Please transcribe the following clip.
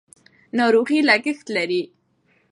ناروغي لګښت لري.